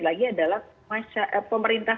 lagi adalah pemerintah